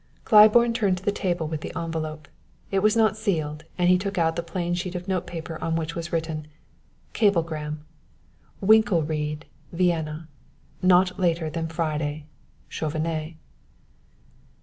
Claiborne turned to the table with the envelope. It was not sealed, and he took out the plain sheet of notepaper on which was written: CABLEGRAM WlNKELRIED, VIENNA. Not later than Friday. CHAUVENET.